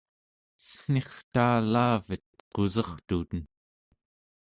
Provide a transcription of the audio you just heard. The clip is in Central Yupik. cen̄irtaalaavet qusertuten